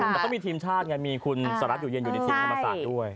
แต่เขามีทีมชาติไงมีคุณสหรัฐอยู่เย็นอยู่ในทีมธรรมศาสตร์ด้วย